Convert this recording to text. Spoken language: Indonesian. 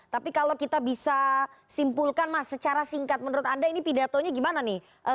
tapi kalau kita bisa simpulkan mas secara singkat menurut anda ini pidatonya gimana nih